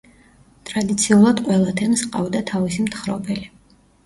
ტრადიციულად ყველა თემს ჰყავდა თავისი მთხრობელი.